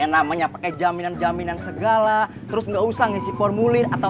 namanya pakai jaminan jaminan segala terus nggak usah ngisi formulir atau